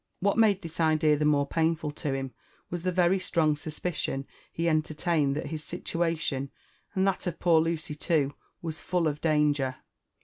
What made this idea the morp painful to him was the very strong suspicion' be entertained that his stinatioiH and that of poor Lucy too, was fufl of danger.